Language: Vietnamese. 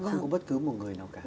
không có bất cứ một người nào cả